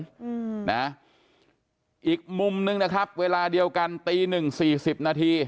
อืมนะอีกมุมนึงนะครับเวลาเดียวกันตีหนึ่งสี่สิบนาที